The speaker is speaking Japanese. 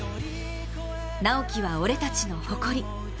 直喜は俺たちの誇り。